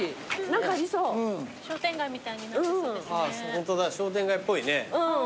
ホントだ商店街っぽいね。